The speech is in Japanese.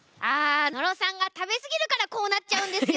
野呂さんが食べ過ぎるからこうなっちゃうんですよ。